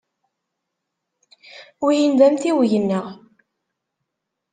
Wihin d amtiweg-nteɣ.